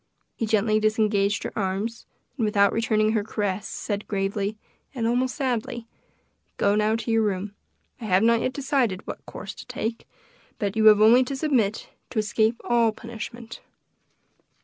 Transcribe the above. He gently disengaged her arms, and without returning her caress, said gravely, and almost sadly, "Go now to your room. I have not yet decided what course to take, but you have only to submit, to escape all punishment."